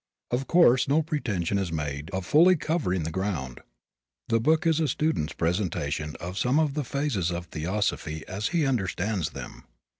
Of course no pretension is made of fully covering the ground. The book is a student's presentation of some of the phases of theosophy as he understands them.